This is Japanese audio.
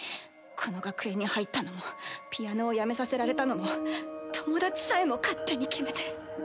この学園に入ったのもピアノをやめさせられたのも友達さえも勝手に決めて。